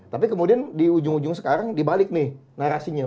tapi kemudian di ujung ujung sekarang dibalik nih narasinya